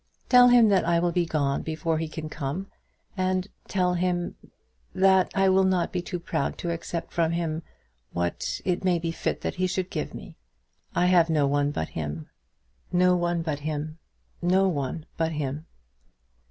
Tell him that I will be gone before he can come, and tell him also that I will not be too proud to accept from him what it may be fit that he should give me. I have no one but him; no one but him; no one but him."